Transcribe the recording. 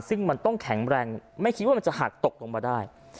ซึ่งมันต้องแข็งแรงไม่คิดว่ามันจะหักตกลงมาได้